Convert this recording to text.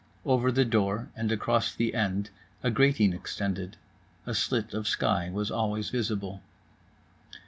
Over the door and across the end, a grating extended. A slit of sky was always visible.